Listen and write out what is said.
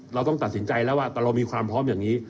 เราต้องตัดสินใจแล้วว่าเรามีความพร้อมอย่างนี้